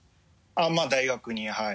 まぁ大学にはい。